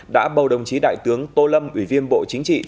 đã bầu đồng chí đại tướng tô lâm ủy viên bộ chính trị